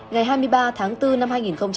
ngày hai mươi ba tháng bốn năm hai nghìn một mươi bốn